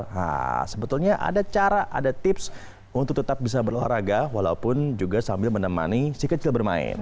nah sebetulnya ada cara ada tips untuk tetap bisa berolahraga walaupun juga sambil menemani si kecil bermain